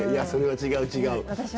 それは違う、違う。